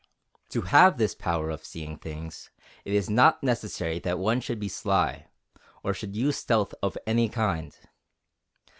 To have this power of seeing things, it is not necessary that one should be sly, or should use stealth of any kind.